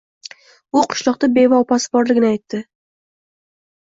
U qishloqda beva opasi borligini aytdi.